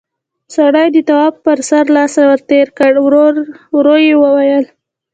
سړي د تواب پر سر لاس ور تېر کړ، ورو يې وويل: